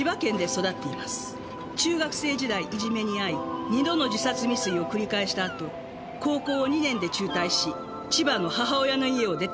中学生時代いじめに遭い二度の自殺未遂を繰り返したあと高校を２年で中退し千葉の母親の家を出ています。